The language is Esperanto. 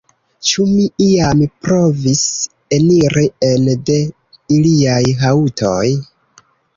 Ĉu mi iam provis eniri enen de iliaj haŭtoj?